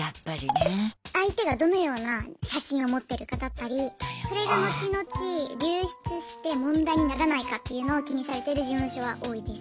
相手がどのような写真を持ってるかだったりそれが後々流出して問題にならないかっていうのを気にされてる事務所は多いです。